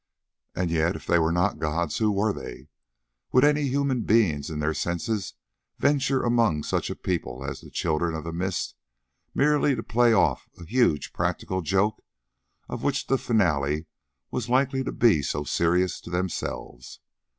And yet, if they were not gods, who were they? Would any human beings in their senses venture among such people as the Children of the Mist, merely to play off a huge practical joke of which the finale was likely to be so serious to themselves?